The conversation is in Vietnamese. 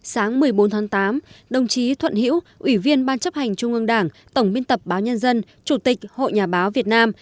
sáng một mươi bốn tháng tám đồng chí thuận hữu ủy viên ban chấp hành trung ương đảng tổng biên tập báo nhân dân chủ tịch hội nhà báo việt nam